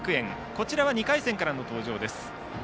こちらは２回戦からの登場です。